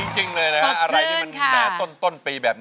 สดชื่นค่ะ